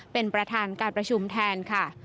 เป็นประธานการประชุมแทนค่ะ